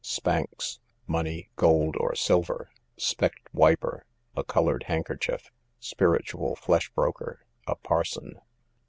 Spanks, money, gold or silver. Specked wiper, a coloured handkerchief. Spiritual flesh broker, a parson.